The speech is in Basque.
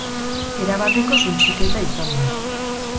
Erabateko suntsiketa izan da.